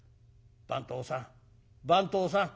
「番頭さん番頭さん」。